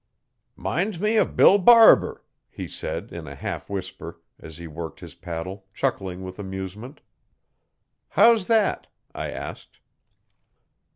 ''Minds me of Bill Barber,' he said in a half whisper, as he worked his paddle, chuckling with amusement. 'How's that?' I asked.